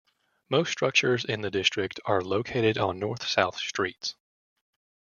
Most structures in the district are located on north-south streets.